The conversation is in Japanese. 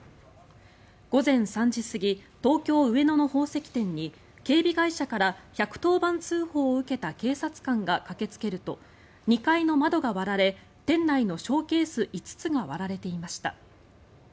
午前３時過ぎ東京・上野の宝石店に警備会社から１１０番通報を受けた警察官が駆けつけると２階の窓が割られ店内のショーケース５つが割られていました。